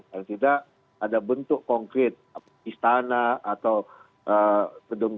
yang tidak ada bentuk konkret istana atau gedung gedung infrastruktur rainnya